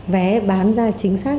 vé bán ra chính xác